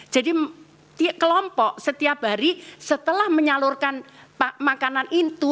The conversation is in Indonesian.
jadi kelompok setiap hari setelah menyalurkan makanan itu